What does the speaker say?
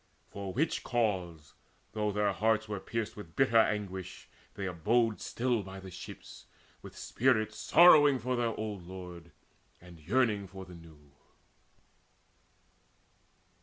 For which cause, though their hearts Were pierced with bitter anguish, they abode Still by the ships, with spirits sorrowing For their old lord, and yearning for the new.